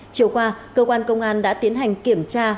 chiều qua cơ quan công an đã tiến hành kiểm tra